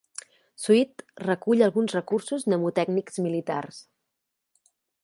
Suid recull alguns recursos mnemotècnics militars.